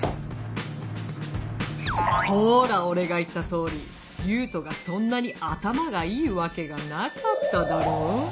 「ほら俺が言った通り勇人がそんなに頭がいいわけがなかっただろう？」。